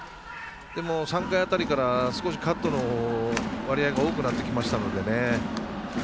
３回辺りから、カットの割合が多くなってきましたのでね。